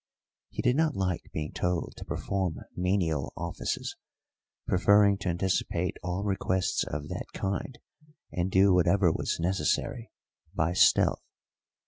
He did not like being told to perform menial offices, preferring to anticipate all requests of that kind and do whatever was necessary by stealth.